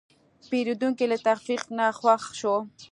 پیرودونکی له تخفیف نه خوښ شو.